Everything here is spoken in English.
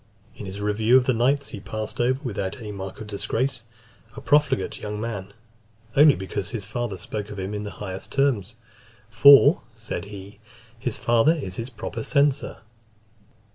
In his review of the knights, he passed over, without any mark of disgrace, a profligate young man, only because his father spoke of him in the highest terms; "for," said he, "his father is his proper censor."